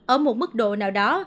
ở một mức độ nào đó